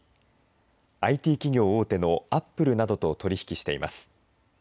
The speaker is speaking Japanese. ＩＴ企業大手のアップルなどと取り引きしています。